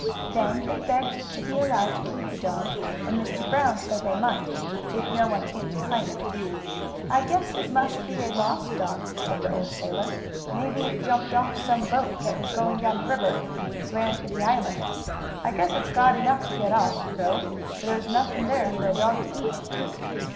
Then they begged to be allowed to keep the dog, and Mr. Brown said they might, if no one came to claim it. "I guess it must be a lost dog," said the old sailor. "Maybe it jumped off some boat that was going down the river, and swam to the island. I guess it's glad enough to get off, though, for there's nothing there for a dog to eat."